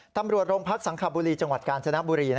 ตำรวจโรงพักสังคบุรีจังหวัดกาญจนบุรี